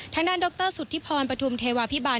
ทางด้านดรสุธิพรปฐุมเทวาพิบาล